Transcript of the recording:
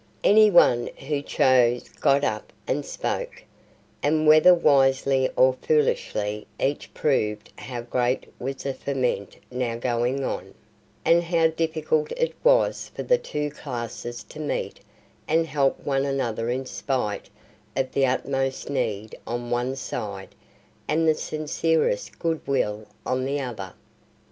Any one who chose got up and spoke; and whether wisely or foolishly each proved how great was the ferment now going on, and how difficult it was for the two classes to meet and help one another in spite of the utmost need on one side and the sincerest good will on the other.